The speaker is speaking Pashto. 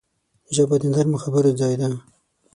ژبه د نرمو خبرو ځای ده